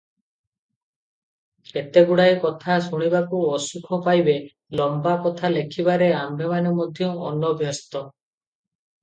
କେତେଗୁଡ଼ାଏ କଥା ଶୁଣିବାକୁ ଅସୁଖ ପାଇବେ, ଲମ୍ବା କଥା ଲେଖିବାରେ ଆମ୍ଭେମାନେ ମଧ୍ୟ ଅନଭ୍ୟସ୍ତ ।